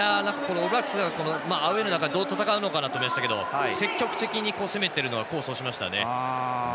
オールブラックスがアウェーの中でどう戦うのかなと思いましたが積極的に攻めていったのが功を奏しましたね。